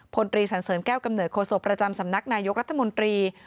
พลตรีสันเสริญแก้วกำเนิดโศกประจำสำนักนายกรัฐมนตรี